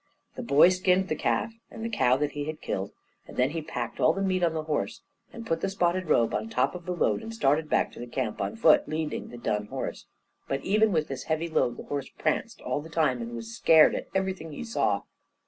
The boy skinned the calf and the cow that he had killed, and then he packed all the meat on the horse, and put the spotted robe on top of the load, and started back to the camp on foot, leading the dun horse. But even with this heavy load the horse pranced all the time, and was scared at everything he saw.